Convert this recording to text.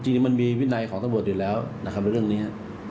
จริงมันมีวินัยของตำรวจอยู่แล้วนะครับเรื่องนี้